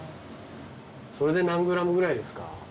それで何ｇぐらいですか？